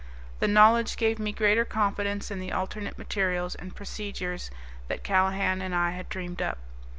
The knowledge gave me greater confidence in the alternate materials and procedures that Callahan and I had dreamed up.